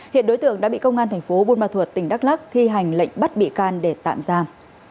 hiện đối tượng đã bị công an tp bunma thuật tỉnh đắk lắc thi hành lệnh bắt bị can để tạm giam